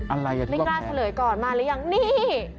อะไรกันว่าแพงนิ่งราแถล๋อี่ก่อนมาแล้วยังนี่